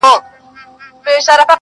ښکاري و ویل که خدای کول داغه دی.